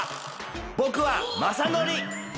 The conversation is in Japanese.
ぼくはまさのり！